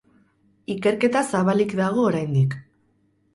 Ikerketa zabalik dago oraindik.